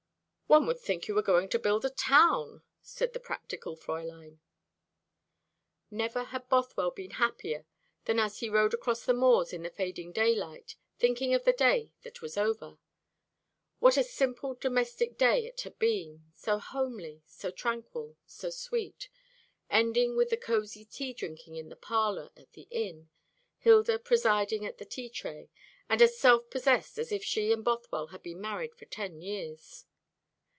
"One would think you were going to build a town," said the practical Fräulein. Never had Bothwell been happier than as he rode across the moors in the fading daylight, thinking of the day that was over. What a simple domestic day it had been so homely, so tranquil, so sweet; ending with the cosy tea drinking in the parlour at the inn, Hilda presiding at the tea tray, and as self possessed as if she and Bothwell had been married for ten years.